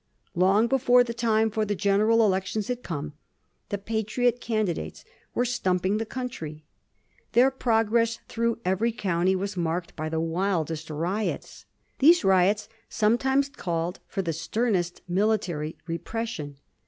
Long before the time for the general elections had come, the Patriot candidates were stumping the country. Their progress through each county was marked by the wildest riots. The riots sometimes called for the sternest military repression.